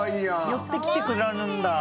寄ってきてくれるんだ。